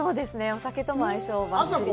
お酒とも相性ばっちりです